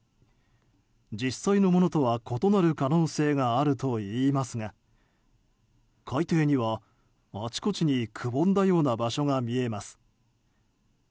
実際のものとは異なる可能性があるといいますが海底には、あちこちにくぼんだような場所が見えます。